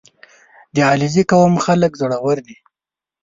• د علیزي قوم خلک زړور دي.